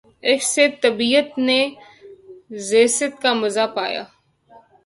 عشق سے طبیعت نے زیست کا مزا پایا